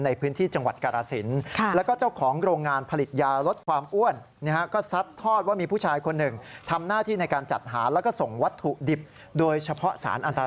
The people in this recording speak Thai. ในพื้นที่จังหวัดกรสิน